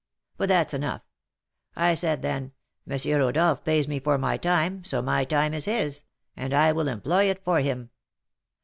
But that's enough. I said, then, 'M. Rodolph pays me for my time, so my time is his, and I will employ it for him.'